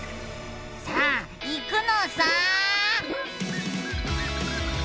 さあいくのさ！